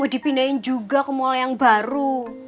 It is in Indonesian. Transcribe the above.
dipindahin juga ke mall yang baru